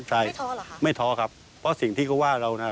ใช่ไม่ท้อครับเพราะสิ่งที่เขาว่าเรานะ